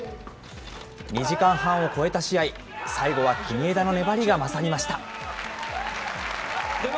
２時間半を超えた試合、最後は国枝の粘りが勝りました。